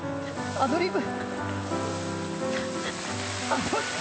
アドリブ。